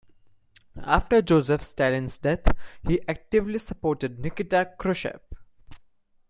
After Joseph Stalin's death, he actively supported Nikita Khrushchev.